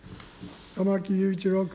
玉木雄一郎君。